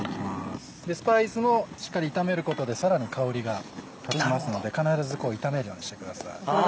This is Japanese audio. スパイスもしっかり炒めることでさらに香りが立ちますので必ず炒めるようにしてください。